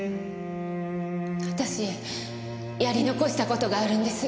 私やり残した事があるんです。